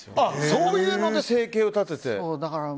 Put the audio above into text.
そういうので生計を立てて。